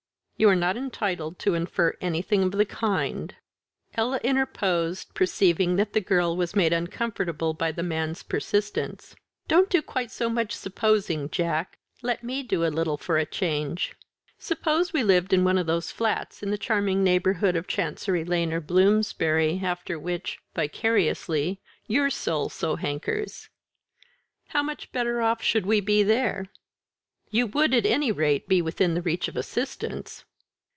"You are not entitled to infer anything of the kind." Ella interposed, perceiving that the girl was made uncomfortable by the man's persistence. "Don't do quite so much supposing, Jack; let me do a little for a change. Suppose we lived in one of those flats in the charming neighbourhood of Chancery Lane or Bloomsbury, after which vicariously your soul so hankers, how much better off should we be there?" "You would, at any rate, be within the reach of assistance."